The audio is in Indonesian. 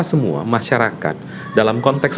semua masyarakat dalam konteks